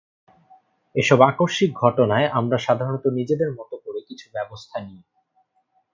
এসব আকস্মিক ঘটনায় আমরা সাধারণত নিজেদের মতো করে কিছু ব্যবস্থা নিই।